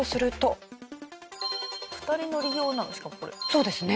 そうですね。